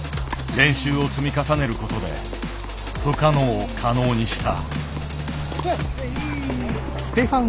練習を積み重ねることで不可能を可能にした。